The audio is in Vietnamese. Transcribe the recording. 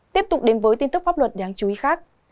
tiếp tục đến với tin tức pháp luật đáng chú ý khác